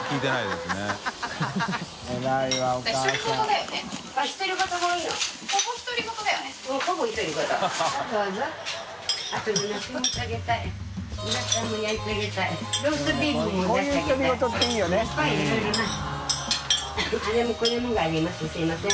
すいません。